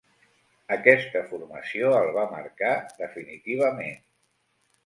Aquesta formació el va marcar definitivament.